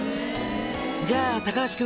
「じゃあ橋君